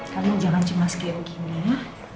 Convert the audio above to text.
kamu jangan cuma skew gini ya